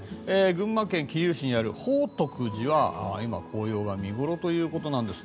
群馬県桐生市にある宝徳寺は今、紅葉が見頃ということです。